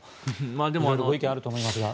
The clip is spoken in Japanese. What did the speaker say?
色々ご意見あると思いますが。